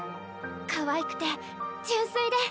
かわいくて純粋で。